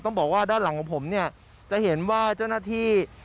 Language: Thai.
บอกว่าด้านหลังของผมเนี่ยจะเห็นว่าเจ้าหน้าที่